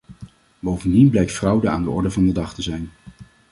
Bovendien blijkt fraude aan de orde van de dag te zijn.